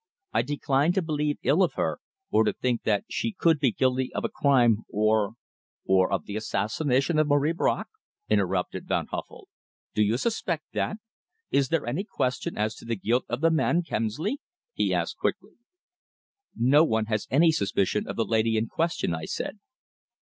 "I decline to believe ill of her, or to think that she could be guilty of a crime, or " "Of the assassination of Marie Bracq?" interrupted Van Huffel. "Do you suspect that? Is there any question as to the guilt of the man Kemsley?" he asked quickly. "No one has any suspicion of the lady in question," I said.